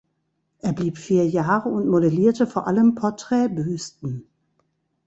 Er blieb vier Jahre und modellierte vor allem Porträtbüsten.